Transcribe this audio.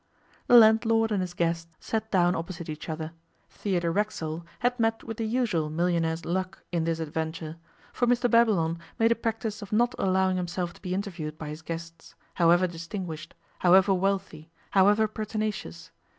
The landlord and his guest sat down opposite each other. Theodore Racksole had met with the usual millionaire's luck in this adventure, for Mr Babylon made a practice of not allowing himself to be interviewed by his guests, however distinguished, however wealthy, however pertinacious.